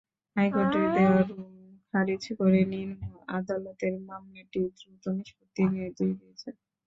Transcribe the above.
হাইকোর্টের দেওয়া রুল খারিজ করে নিম্ন আদালতের মামলাটি দ্রুত নিষ্পত্তির নির্দেশ দিয়েছেন।